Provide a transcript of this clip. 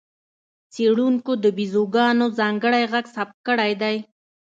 څېړونکو د بیزوګانو ځانګړی غږ ثبت کړی دی.